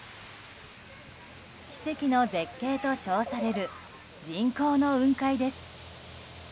奇跡の絶景と称される人工の雲海です。